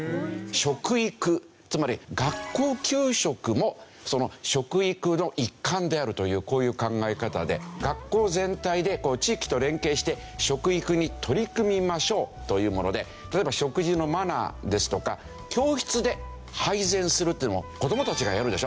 食育つまり学校給食もその食育の一環であるというこういう考え方で学校全体で地域と連携して食育に取り組みましょうというもので例えば食事のマナーですとか教室で配膳するっていうのも子供たちがやるでしょ？